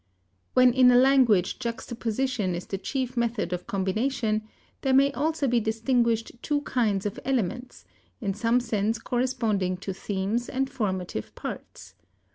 When in a language juxtaposition is the chief method of combination, there may also be distinguished two kinds of elements, in some sense corresponding to themes and formative parts.